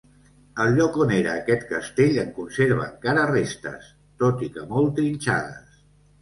El lloc on era aquest castell en conserva encara restes, tot i que molt trinxades.